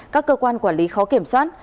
các cơ quan quản lý khó kiểm soát